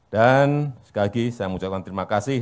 dan sekali lagi saya mengucapkan terima kasih